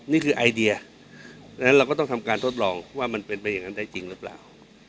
นี่คือไอเดียดังนั้นเราก็ต้องทำการทดลองว่ามันเป็นไปอย่างนั้นได้จริงหรือเปล่า